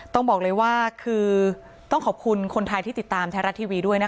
ต้องบอกเลยว่าคือต้องขอบคุณคนไทยที่ติดตามไทยรัฐทีวีด้วยนะคะ